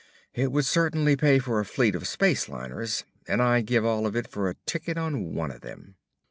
"It would certainly pay for a fleet of space liners, and I'd give all of it for a ticket on one of them."